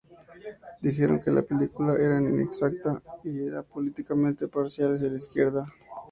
Dijeron que la película era inexacta y era "políticamente parcial hacia la izquierda".